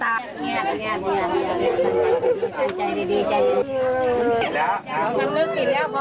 หายใจลึก